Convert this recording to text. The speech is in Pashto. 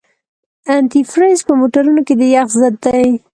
انتي فریز په موټرونو کې د یخ ضد دی.